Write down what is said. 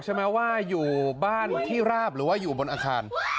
ใช่ไหมว่าอยู่บ้านที่ราบหรือว่าอยู่บนอาคาร